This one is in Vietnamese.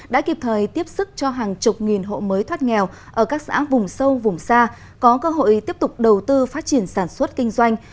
đã kịp thời tiếp sức cho hàng chục nghìn hộ mới thoát nghèo ở các xã vùng sâu vùng xa có cơ hội tiếp tục đầu tư phát triển sản xuất kinh doanh